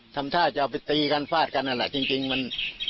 ทำท่าจะเอาไปตีกันฟาดกันนั่นแหละจริงมัน